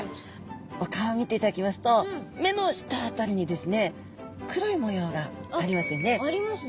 お顔を見ていただきますと目の下辺りにですね黒い模様がありますよね？ありますね。